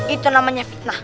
itu namanya fitnah